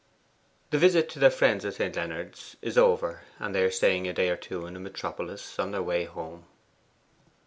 The visit to their friends at St. Leonards is over, and they are staying a day or two in the metropolis on their way home.